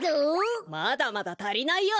まだまだたりないよ。